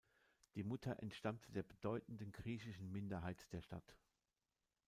Die Mutter entstammte der bedeutenden griechischen Minderheit der Stadt.